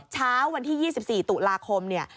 เช้าวันที่๒๔ตุลาคม